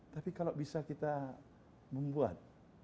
tapi kalau bisa kita membuat